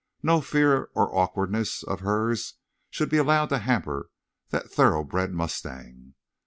No fear or awkwardness of hers should be allowed to hamper that thoroughbred mustang.